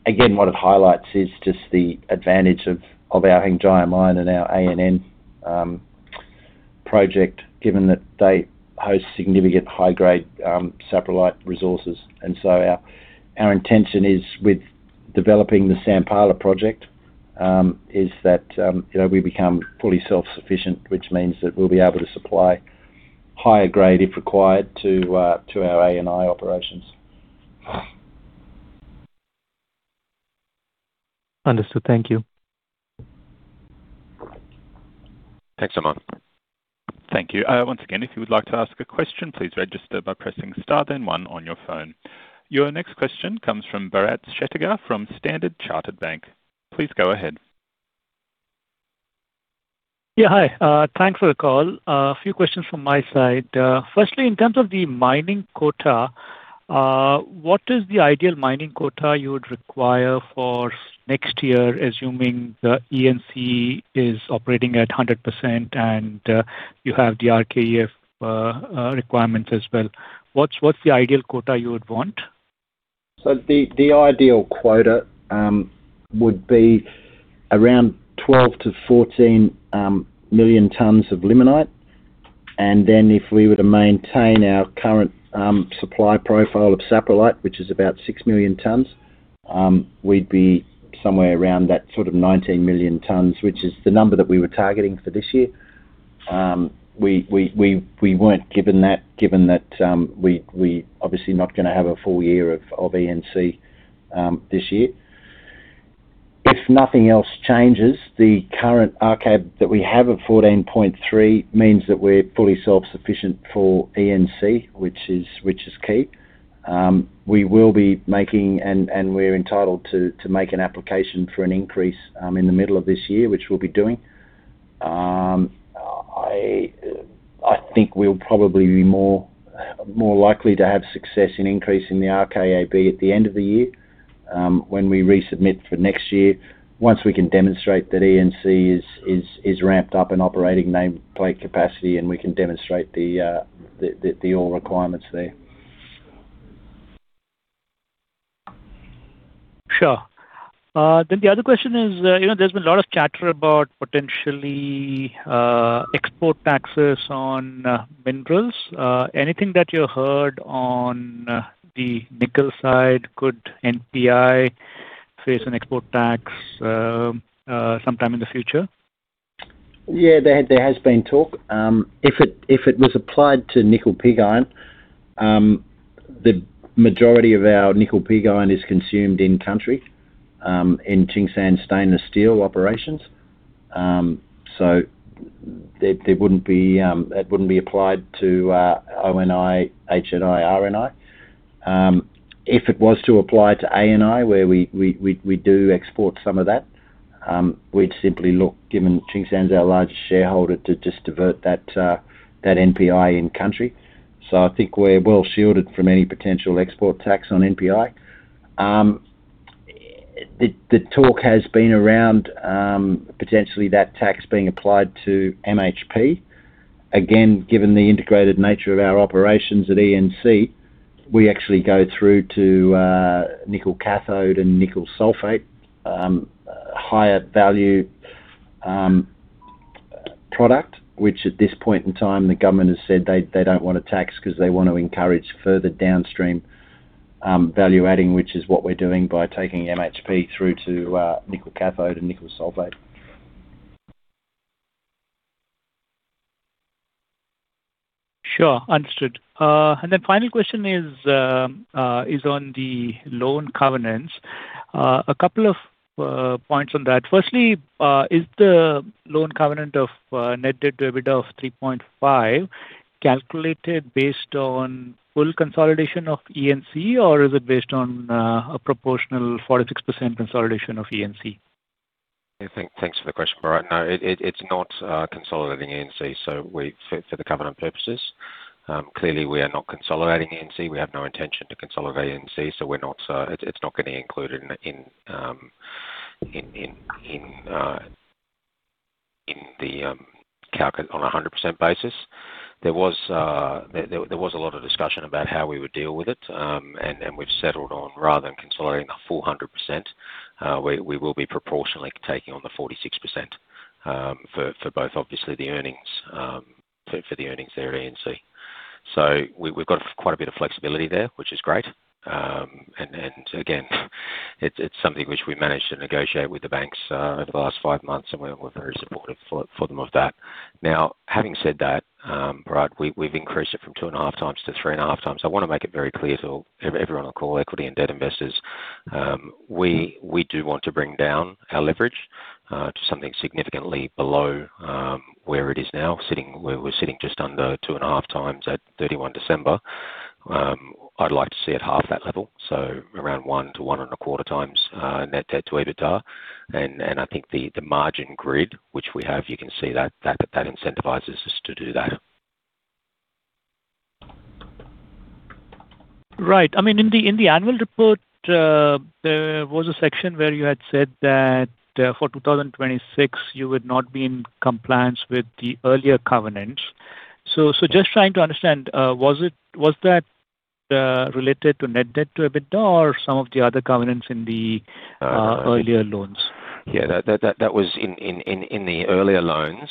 [SPEAKER 2] Again, what it highlights is just the advantage of our Hengjaya Mine and our ANI project, given that they host significant high grade saprolite resources. Our intention is with developing the Sampala project, is that, you know, we become fully self-sufficient, which means that we'll be able to supply higher grade if required to our ANI operations.
[SPEAKER 10] Understood. Thank you.
[SPEAKER 3] Thanks, Aman.
[SPEAKER 1] Thank you. Once again, if you would like to ask a question, please register by pressing star then one on your phone. Your next question comes from Bharat Shete from Standard Chartered Bank. Please go ahead.
[SPEAKER 11] Yeah, hi. Thanks for the call. A few questions from my side. Firstly, in terms of the mining quota, what is the ideal mining quota you would require for next year, assuming the ENC is operating at 100% and you have the RKEF requirements as well? What's the ideal quota you would want?
[SPEAKER 2] The ideal quota would be around 12 million tons-14 million tons of limonite. If we were to maintain our current supply profile of saprolite, which is about 6 million tons, we'd be somewhere around that sort of 19 million tons, which is the number that we were targeting for this year. We weren't given that, given that we obviously not gonna have a full year of ENC this year. If nothing else changes, the current RKAB that we have of 14.3 means that we're fully self-sufficient for ENC, which is key. We will be making and we're entitled to make an application for an increase in the middle of this year, which we'll be doing. I think we'll probably be more likely to have success in increasing the RKAB at the end of the year. When we resubmit for next year, once we can demonstrate that ENC is ramped up and operating nameplate capacity, and we can demonstrate the ore requirements there.
[SPEAKER 11] Sure. The other question is, you know, there's been a lot of chatter about potentially, export taxes on, minerals. Anything that you heard on, the nickel side? Could NPI face an export tax, sometime in the future?
[SPEAKER 2] Yeah, there has been talk. If it was applied to nickel pig iron, the majority of our nickel pig iron is consumed in country in Tsingshan stainless steel operations. There wouldn't be, it wouldn't be applied to ONI, HNI, RNI. If it was to apply to ANI where we do export some of that, we'd simply look, given Tsingshan's our largest shareholder, to just divert that NPI in country. I think we're well-shielded from any potential export tax on NPI. The talk has been around potentially that tax being applied to MHP. Again, given the integrated nature of our operations at ENC, we actually go through to nickel cathode and nickel sulfate, higher value product, which at this point in time the government has said they don't wanna tax because they want to encourage further downstream value-adding, which is what we're doing by taking MHP through to nickel cathode and nickel sulfate.
[SPEAKER 11] Sure. Understood. Final question is on the loan covenants. A couple of points on that. Firstly, is the loan covenant of net debt to EBITDA of 3.5x calculated based on full consolidation of ENC? Or is it based on a proportional 46% consolidation of ENC?
[SPEAKER 3] Yeah. Thanks for the question, Bharat. No, it's not consolidating ENC. For the covenant purposes, clearly we are not consolidating ENC. We have no intention to consolidate ENC. It's not gonna include in the 100% basis. There was a lot of discussion about how we would deal with it. We've settled on, rather than consolidating the full 100%, we will be proportionally taking on the 46% for both obviously the earnings for the earnings there at ENC. We've got quite a bit of flexibility there, which is great. Again, it's something which we managed to negotiate with the banks over the last five months, and we're very supportive for them of that. Having said that, Bharat, we've increased it from 2.5x to 3.5x. I want to make it very clear to all, everyone on call, equity and debt investors, we do want to bring down our leverage to something significantly below where it is now, sitting just under 2.5x at 31 December. I'd like to see it half that level, so around 1x to 1.25x net debt to EBITDA. I think the margin grid which we have, you can see that incentivizes us to do that.
[SPEAKER 11] Right. I mean, in the annual report, there was a section where you had said that for 2026 you would not be in compliance with the earlier covenants. Just trying to understand, was that related to net debt to EBITDA or some of the other covenants in the earlier loans?
[SPEAKER 3] Yeah. That was in the earlier loans.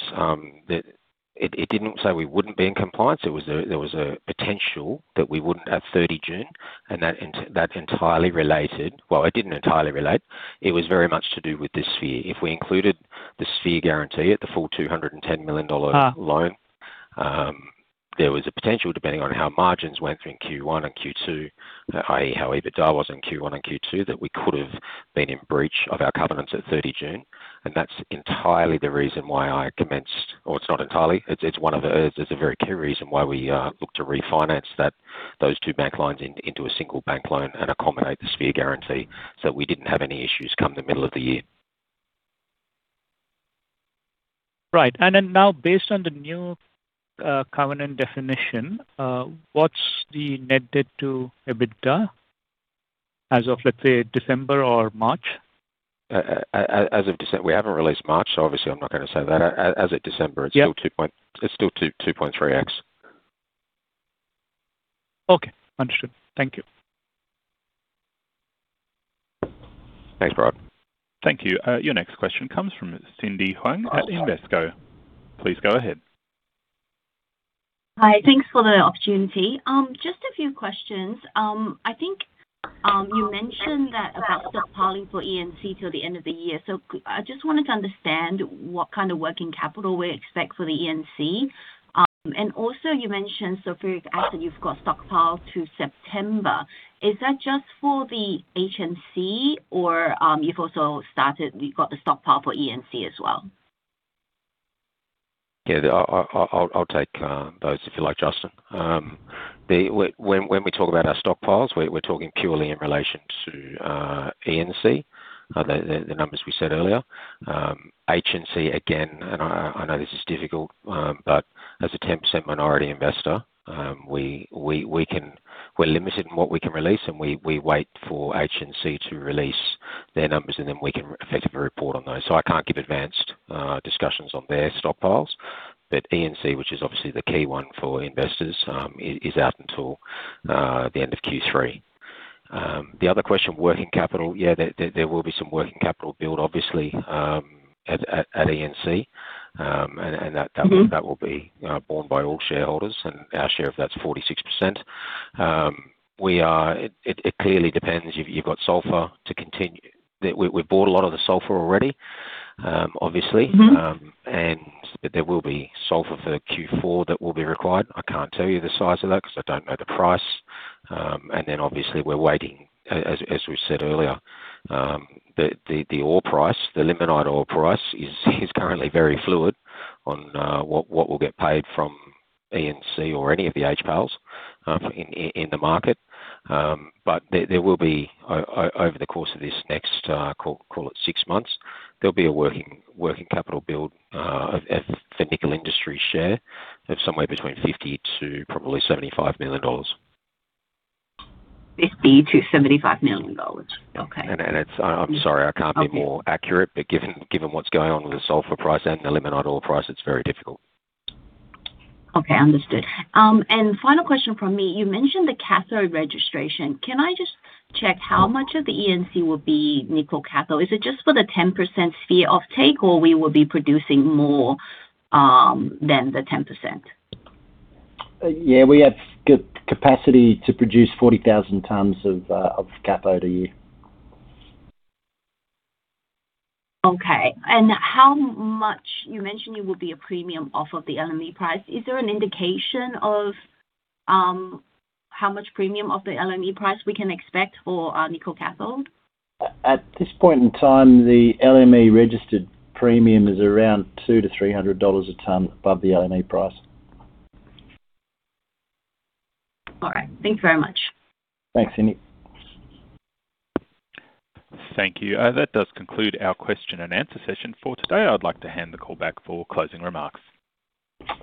[SPEAKER 3] It didn't say we wouldn't be in compliance. There was a potential that we wouldn't at 30 June. That entirely related. Well, it didn't entirely relate. It was very much to do with the Sphere. If we included the Sphere guarantee at the full $210 million.
[SPEAKER 11] Ah.
[SPEAKER 3] -loan, there was a potential, depending on how margins went in Q1 and Q2, i.e. how EBITDA was in Q1 and Q2, that we could have been in breach of our covenants at 30 June. That's entirely the reason why I commenced. Well, it's not entirely. It's, it's one of the, it's a very key reason why we looked to refinance that, those two bank lines in, into a single bank loan and accommodate the Sphere guarantee, so we didn't have any issues come the middle of the year.
[SPEAKER 11] Right. Now based on the new covenant definition, what's the net debt to EBITDA as of, let's say, December or March?
[SPEAKER 3] We haven't released March, so obviously I'm not gonna say that.
[SPEAKER 11] Yeah
[SPEAKER 3] it's still 2.3x.
[SPEAKER 11] Okay. Understood. Thank you.
[SPEAKER 3] Thanks, Bharat.
[SPEAKER 1] Thank you. Your next question comes from Cindy Huang at Invesco. Please go ahead.
[SPEAKER 12] Hi. Thanks for the opportunity. Just a few questions. I think you mentioned that about stockpiling for ENC till the end of the year. I just wanted to understand what kind of working capital we expect for the ENC. After you've got stockpile to September, is that just for the HNC or you've also started, you've got the stockpile for ENC as well?
[SPEAKER 3] Yeah. I'll take those if you like, Justin. When we talk about our stockpiles, we're talking purely in relation to ENC, the numbers we said earlier. HNC again, and I know this is difficult, but as a 10% minority investor, we're limited in what we can release, and we wait for HNC to release their numbers, and then we can effectively report on those. I can't give advanced discussions on their stockpiles. ENC, which is obviously the key one for investors, is out until the end of Q3. The other question, working capital. Yeah. There will be some working capital build obviously, at ENC.
[SPEAKER 12] Mm-hmm...
[SPEAKER 3] that will be borne by all shareholders and our share of that's 46%. It clearly depends. You've got sulfur to continue. We bought a lot of the sulfur already, obviously.
[SPEAKER 12] Mm-hmm.
[SPEAKER 3] There will be sulfur for Q4 that will be required. I can't tell you the size of that because I don't know the price. Then obviously we're waiting, as we said earlier, the ore price, the limonite ore price is currently very fluid on what we'll get paid from ENC or any of the HPALs, in the market. But there will be over the course of this next, call it six months, there'll be a working capital build, of the Nickel Industries share of somewhere between $50 million-$75 million.
[SPEAKER 12] $50 million-$75 million. Okay.
[SPEAKER 3] I'm sorry, I can't be more accurate. Given what's going on with the sulfur price and the limonite ore price, it's very difficult.
[SPEAKER 12] Okay. Understood. Final question from me. You mentioned the cathode registration. Can I just check how much of the ENC will be nickel cathode? Is it just for the 10% Sphere offtake, or we will be producing more than the 10%?
[SPEAKER 2] Yeah, we have capacity to produce 40,000 tons of cathode a year.
[SPEAKER 12] Okay. You mentioned it would be a premium off of the LME price. Is there an indication of how much premium of the LME price we can expect for our nickel cathode?
[SPEAKER 2] At this point in time, the LME-registered premium is around $200-$300 a ton above the LME price.
[SPEAKER 12] All right. Thank you very much.
[SPEAKER 3] Thanks, Cindy.
[SPEAKER 1] Thank you. That does conclude our question and answer session for today. I'd like to hand the call back for closing remarks.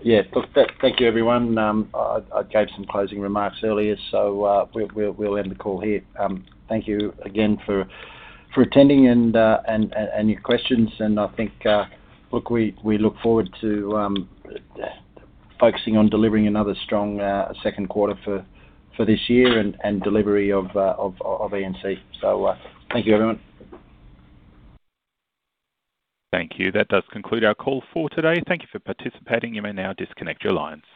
[SPEAKER 2] Yeah. Look, thank you, everyone. I gave some closing remarks earlier. We will end the call here. Thank you again for attending and your questions. I think, look, we look forward to focusing on delivering another strong second quarter for this year and delivery of ENC. Thank you, everyone.
[SPEAKER 1] Thank you. That does conclude our call for today. Thank you for participating. You may now disconnect your lines.